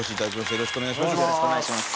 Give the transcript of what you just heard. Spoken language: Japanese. よろしくお願いします。